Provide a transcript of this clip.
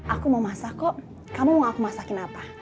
aku mau masak kok kamu mau aku masakin apa